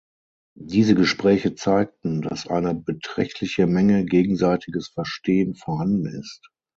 Diese Gespräche zeigten, dass eine beträchtliche Menge gegenseitiges Verstehen vorhanden ist.